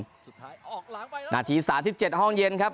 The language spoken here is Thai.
สุดท้ายออกหลังไปแล้วนาทีสามสิบเจ็ดห้องเย็นครับ